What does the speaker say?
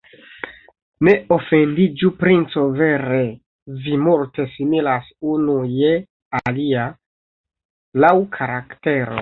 Ne ofendiĝu, princo, vere, vi multe similas unu je alia laŭ karaktero.